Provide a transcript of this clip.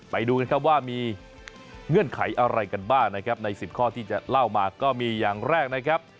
ไปดูกันครับว่ามีเงื่อนไขอะไรกันบ้างนะครับใน๑๐ข้อที่จะเล่ามาก็มีอย่างแรกนะครับ